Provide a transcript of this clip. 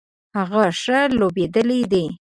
هغه ښه لوبیدلی دی